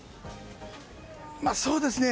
そうですね。